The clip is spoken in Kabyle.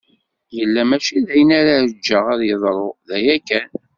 Yella mačči d ayen ara ǧǧeɣ ad yeḍru, d aya kan.